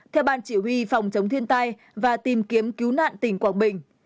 theo bàn chỉ huy phòng chống thiên tài và tìm kiếm cứu nạn tỉnh quảng bình